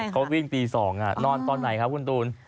เขาวิ่งตี๒นอนตอนไหนครับคุณตูน